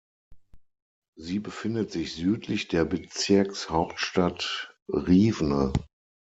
Sie befindet sich südlich der Bezirkshauptstadt Riwne.